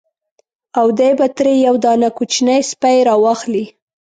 او دی به ترې یو دانه کوچنی سپی را واخلي.